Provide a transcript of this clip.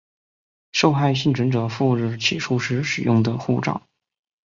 受害幸存者赴日起诉时使用的护照